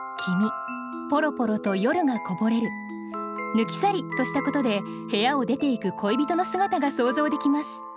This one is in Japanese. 「抜き去り」としたことで部屋を出ていく恋人の姿が想像できます